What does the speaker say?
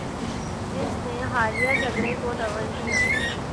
جس نے حالیہ جھگڑے کو طول دیا